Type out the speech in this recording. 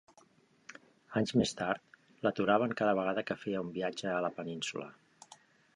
Anys més tard, l’aturaven cada vegada que feia un viatge a la península.